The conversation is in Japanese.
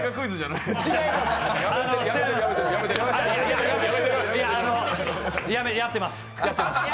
いや、やってます。